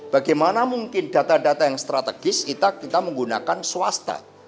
bagaimana mungkin data data yang strategis kita menggunakan swasta